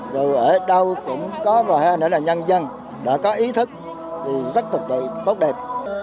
dù ở đâu cũng có và hay nữa là nhân dân đã có ý thức thì rất thật tốt đẹp